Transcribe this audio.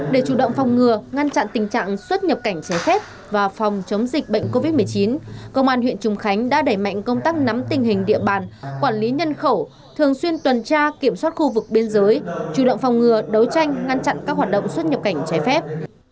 để chủ động phòng ngừa ngăn chặn tình trạng xuất nhập cảnh trái phép và phòng chống dịch bệnh covid một mươi chín công an huyện trùng khánh đã đẩy mạnh công tác nắm tình hình địa bàn quản lý nhân khẩu thường xuyên tuần tra kiểm soát khu vực biên giới chủ động phòng ngừa đấu tranh ngăn chặn các hoạt động xuất nhập cảnh trái phép